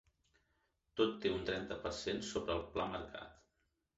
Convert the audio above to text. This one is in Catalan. Tot té un trenta per cent sobre el pla marcat.